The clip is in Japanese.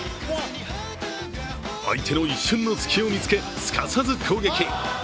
相手の一瞬に隙を見つけすかさず攻撃。